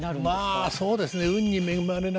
まあそうですね。